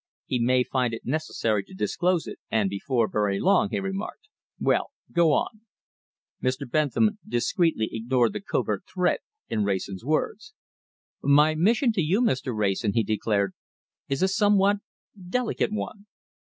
"He may find it necessary to disclose it, and before very long," he remarked. "Well, go on." Mr. Bentham discreetly ignored the covert threat in Wrayson's words. "My mission to you, Mr. Wrayson," he declared, "is a somewhat delicate one.